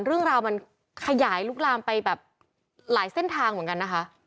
เรื่องราวมันขยายลุกลามไปแบบหลายเส้นทางเหมือนกันนะคะ